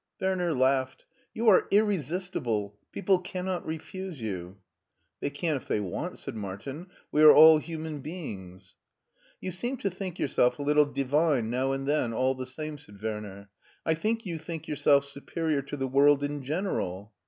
Werner laughed. "You are irresistible. People cannot refuse you I" "They can if they want," said Martin; "we are all human beings." " You seem to think yourself a little divine now and then, all the same," said Werner. " I think you think yourself superior to the world in general."